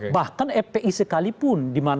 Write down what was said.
bahkan fpi sekalipun